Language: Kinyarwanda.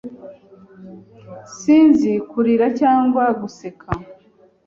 Sinzi kurira cyangwa guseka.